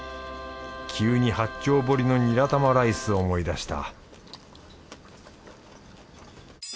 急に八丁堀のニラ玉ライス思い出した